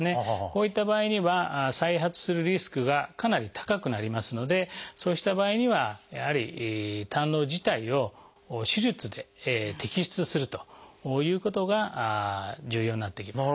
こういった場合には再発するリスクがかなり高くなりますのでそうした場合にはやはり胆のう自体を手術で摘出するということが重要になってきます。